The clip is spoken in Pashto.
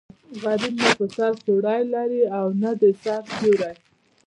غریب نه په سر څوړی لري او نه د سر سیوری.